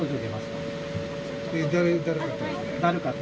だるかったです。